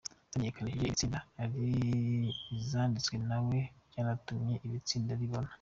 zamenyekanishije iri tsinda ari izanditswe nawe, byanatumye iri tsinda ribona.